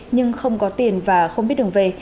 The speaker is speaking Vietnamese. nhưng không có tiền và không biết đường về